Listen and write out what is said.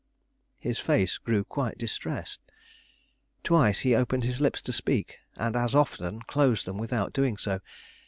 His face grew quite distressed. Twice he opened his lips to speak, and as often closed them without doing so.